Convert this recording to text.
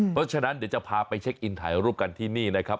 เพราะฉะนั้นเดี๋ยวจะพาไปเช็คอินถ่ายรูปกันที่นี่นะครับ